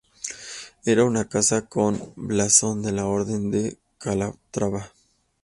Era una casa con blasón de la Orden de Calatrava.